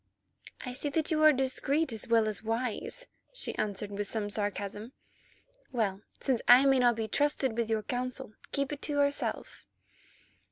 "I see that you are discreet as well as wise," she replied with some sarcasm. "Well, since I may not be trusted with your counsel, keep it to yourself."